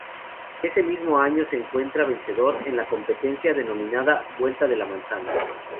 Ese mismo año se encuentra vencedor en la competencia denominada Vuelta de la Manzana.